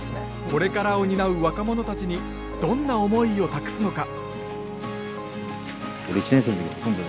これからを担う若者たちにどんな思いを託すのか。